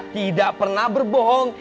tidak pernah berbohong